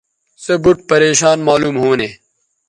سے بُوٹ پریشان معلوم ھونے